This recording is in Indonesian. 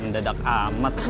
mendadak amat sih